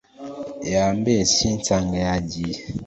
Yambeshye nsanga ygiye